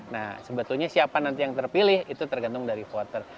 nah sebetulnya siapa nanti yang terpilih itu tergantung dari voter